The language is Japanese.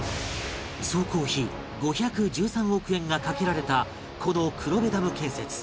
総工費５１３億円がかけられたこの黒部ダム建設